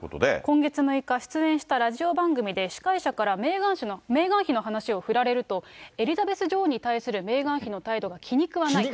今月６日、出演したラジオ番組で、司会者からメーガン妃の話を振られると、エリザベス女王に対するメーガン妃の態度が気に食わないと。